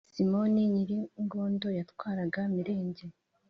Simoni Nyiringondo yatwaraga Mirenge.